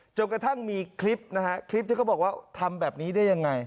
จนกระทั่งมีคลิปนะฮะคลิปที่เขาบอกว่าทำแบบนี้ได้ยังไง